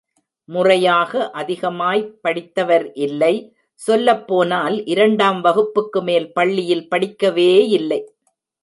முறையாக அதிகமாய்ப் படித்தவர் இல்லை, சொல்லப்போனால், இரண்டாம் வகுப்புக்கு மேல் பள்ளியில் படிக்கவேயில்லை.